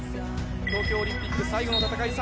東京オリンピック最後の戦い